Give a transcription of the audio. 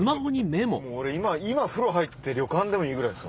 もう俺今風呂入って旅館でもいいぐらいです。